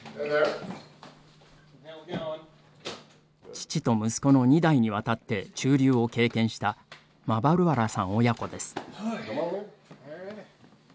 父と息子の２代にわたって駐留を経験したマバルワラさん親子です。